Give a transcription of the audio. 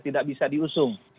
tidak bisa diusung